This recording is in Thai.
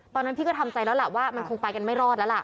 ตอนนั้นพี่ก็ทำใจแล้วล่ะว่ามันคงไปกันไม่รอดแล้วล่ะ